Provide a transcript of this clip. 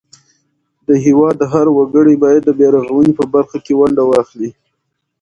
د هیواد هر وګړی باید د بیارغونې په برخه کې ونډه واخلي.